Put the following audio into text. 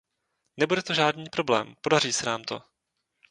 Nebude to žádný problém, podaří se nám to.